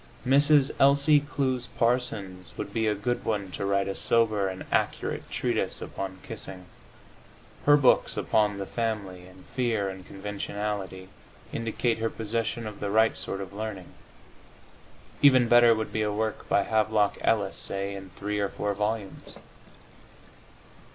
Mrs. Elsie Clews Parsons would be a good one to write a sober and accurate treatise upon kissing. Her books upon "The Family" and "Fear and Conventionality" indicate her possession of the right sort of learning. Even better would be a work by Havelock Ellis, say, in three or four volumes.